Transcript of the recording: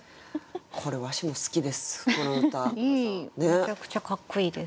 めちゃくちゃかっこいいです。